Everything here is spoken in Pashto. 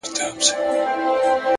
وخت د سستۍ تاوان زیاتوي,